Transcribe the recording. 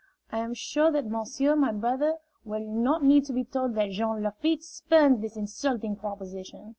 I am sure that monsieur, my brother, will not need to be told that Jean Lafitte spurns this insulting proposition.